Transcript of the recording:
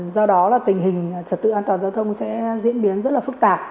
do đó là tình hình trật tự an toàn giao thông sẽ diễn biến rất là phức tạp